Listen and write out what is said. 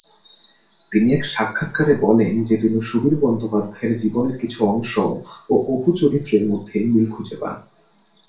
তিনি এক সাক্ষাৎকারে বলেন যে তিনি সুবীর বন্দ্যোপাধ্যায়ের জীবনের কিছু অংশ ও অপু চরিত্রের মধ্যে মিল খুঁজে পান।